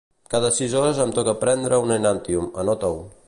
Cada sis hores em toca prendre un Enantyum, anota-ho.